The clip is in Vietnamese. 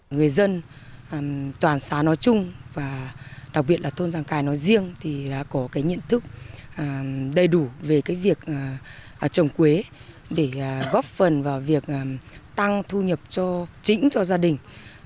người dân toàn xã nói chung và đặc biệt là thôn giàng cài nói riêng thì là có cái nhận thức đầy đủ về cái việc trồng quế để góp phần vào việc tăng thu nhập cho chính cho gia đình